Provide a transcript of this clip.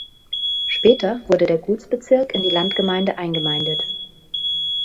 Später wurde der Gutsbezirk in die Landgemeinde eingemeindet.